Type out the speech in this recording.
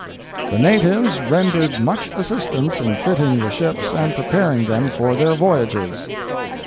"The natives rendered much assistance in fitting the ships and preparing them for their voyages."